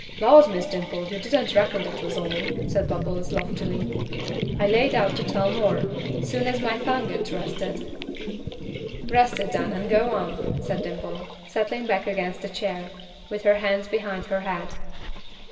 "Laws, Miss Dimple, you didn't reckon that was all," said Bubbles, loftily. "I laid out to tell more, soon ez my tongue got rested." "Rest it then, and go on," said Dimple, settling back against a chair, with her hands behind her head.